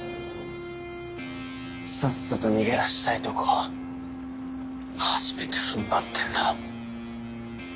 さっさと逃げ出したいとこを初めて踏ん張ってんだ。